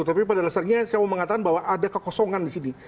tapi pada dasarnya saya mau mengatakan bahwa ada kekosongan di sini